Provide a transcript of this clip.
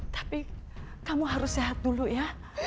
tapi kamu harus sehat dulu ya